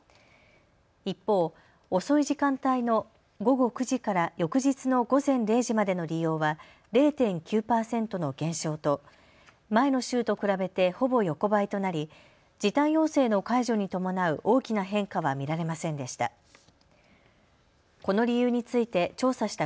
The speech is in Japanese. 一方、遅い時間帯の午後９時から翌日の午前０時までの利用は０．９％の減少と前の週と比べてほぼ横ばいとなり時短要請の解除に伴う大きな変化は見られませんでした。